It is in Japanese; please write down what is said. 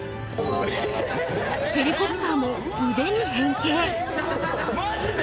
ヘリコプターも腕に変形・マジで？